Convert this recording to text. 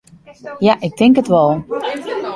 Ja, ik tink it wol.